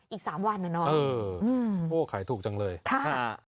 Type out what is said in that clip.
อีก๓วันอ่ะเนอะเออโหขายถูกจังเลยค่ะ